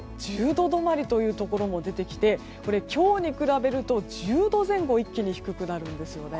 １０度止まりというところも出てきてこれ、今日に比べると１０度前後一気に低くなるんですよね。